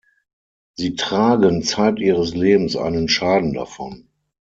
Sie tragen zeit ihres Lebens einen Schaden davon.